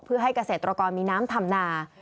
เพื่อให้เกษตรกรมีน้ำทำนา